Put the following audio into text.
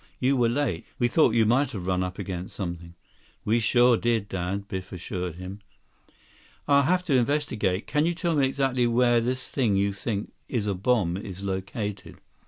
"You were late. We thought you might have run up against something." "We sure did, Dad," Biff assured him. "I'll have to investigate. Can you tell me exactly where this thing you think is a bomb is located?"